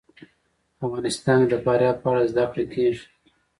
په افغانستان کې د فاریاب په اړه زده کړه کېږي.